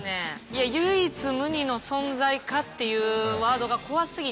いや「唯一無二の存在か」っていうワードが怖すぎて。